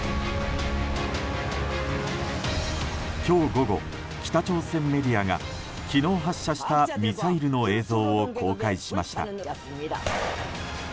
今日午後、北朝鮮メディアが昨日発射したミサイルの映像を公開しました。